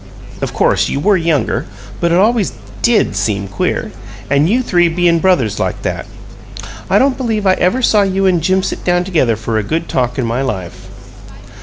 Of course, you were younger; but it always DID seem queer and you three bein' brothers like that. I don't believe I ever saw you and Jim sit down together for a good talk in my life."